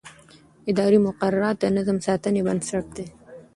اداري مقررات د نظم ساتنې بنسټ دي.